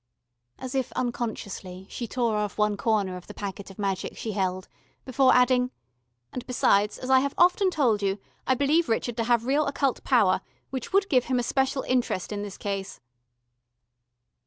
As if unconsciously she tore off one corner of the packet of magic she held before adding: "And besides, as I have often told you, I believe Richard to have real Occult Power, which would give him a special interest in this case."